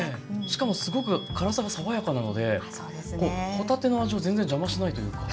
しかもすごく辛さが爽やかなので帆立ての味を全然邪魔しないというか。